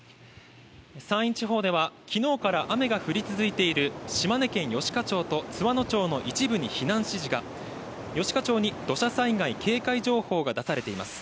山陰地方では、きのうから雨が降り続いている島根県吉賀町と津和野町の一部に避難指示が、吉賀町に土砂災害警戒情報が出されています。